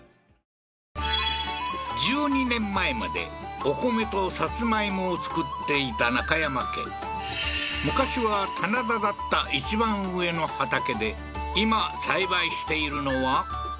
１２年前までお米とさつまいもを作っていた中山家昔は棚田だった一番上の畑で今栽培しているのは？